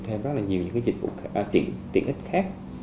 thêm rất là nhiều những cái dịch vụ tiện ích khác